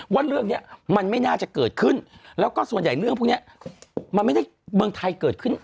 ว่าเรื่องนี้มันไม่น่าจะเกิดขึ้นแล้วก็ส่วนใหญ่เรื่องพวกนี้มันไม่ได้เมืองไทยเกิดขึ้น